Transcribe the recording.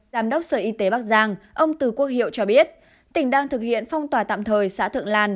giám đốc sở y tế bắc giang ông từ quốc hiệu cho biết tỉnh đang thực hiện phong tỏa tạm thời xã thượng lan